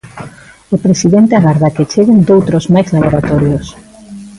O presidente agarda que cheguen doutros máis laboratorios.